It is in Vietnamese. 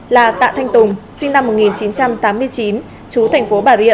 là tạ thanh tùng sinh năm một nghìn chín trăm tám mươi chín chú thành phố bà rịa